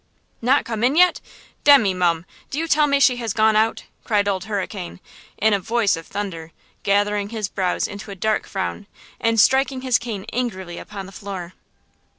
"Not come in yet! Demmy, mum! Do you tell me she has gone out?" cried Old Hurricane, in a voice of thunder, gathering his brows into a dark frown, and striking his cane angrily upon the floor.